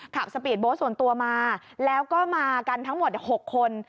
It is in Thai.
สปีดโบสต์ส่วนตัวมาแล้วก็มากันทั้งหมด๖คน